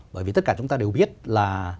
bởi vì tất cả chúng ta đều biết là